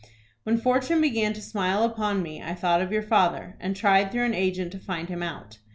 When fortune began to smile upon me I thought of your father, and tried through an agent to find him out.